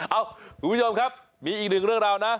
เอาสวัสดีคุณผู้ชมครับมีอีกหนึ่งเรื่องราวนะ